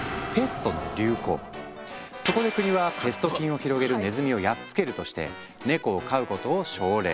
そこで国はペスト菌を広げるネズミをやっつけるとしてネコを飼うことを奨励。